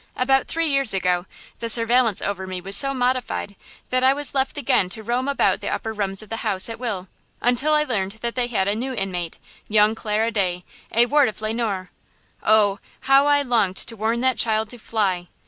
About three years ago the surveillance over me was so modified that I was left again to roam about the upper rooms of the house at will, until I learned that they had a new inmate, young Clara Day, a ward of Le Noir! Oh, how I longed to warn that child to fly!